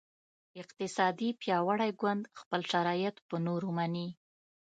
اقتصادي پیاوړی ګوند خپل شرایط په نورو مني